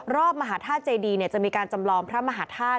มหาธาตุเจดีจะมีการจำลองพระมหาธาตุ